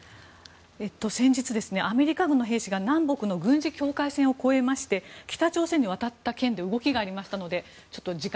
先日アメリカ軍の兵士が南北軍事境界線を越えまして北朝鮮に渡った件で動きがありましたので。